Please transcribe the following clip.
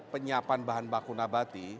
penyiapan bahan baku nabati